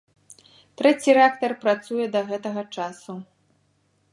Трэці рэактар працуе да гэтага часу.